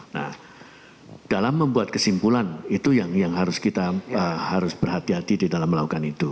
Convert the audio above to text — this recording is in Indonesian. nah dalam membuat kesimpulan itu yang harus kita harus berhati hati di dalam melakukan itu